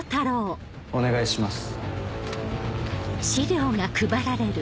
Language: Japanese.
お願いします。